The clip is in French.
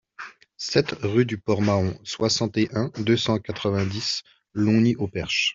sept rue du Port Mahon, soixante et un, deux cent quatre-vingt-dix, Longny-au-Perche